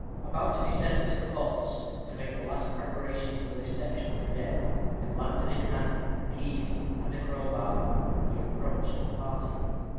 About to descend into the vaults, to make the last preparations for the reception of the dead, with lantern in hand, keys, and a crowbar, he approached the party.